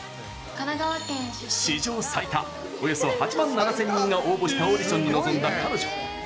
史上最多およそ８万７０００人が応募したオーディションに臨んだ彼女。